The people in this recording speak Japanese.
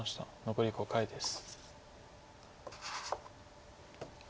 残り５回です。